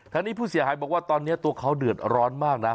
ทางนี้ผู้เสียหายบอกว่าตอนนี้ตัวเขาเดือดร้อนมากนะ